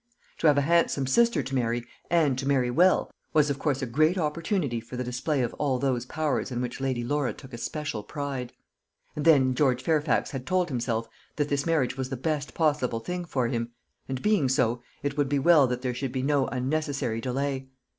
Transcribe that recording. To have a handsome sister to marry, and to marry well, was of course a great opportunity for the display of all those powers in which Lady Laura took especial pride. And then George Fairfax had told himself that this marriage was the best possible thing for him; and being so, it would be well that there should be no unnecessary delay.